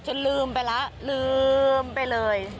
ลืมไปแล้วลืมไปเลย